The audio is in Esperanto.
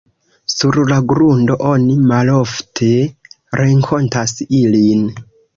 Sur la grundo oni malofte renkontas ilin.